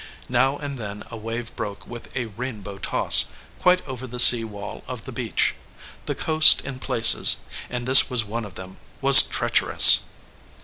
Now and then a wave broke with a rainbow toss, quite over the sea wall of the beach. The coast in places and this was one of them was treacherous.